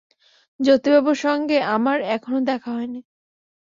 জ্যোতিবাবুর সঙ্গে আমার এখনো দেখা হয় নি।